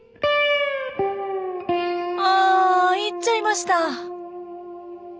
あ行っちゃいました。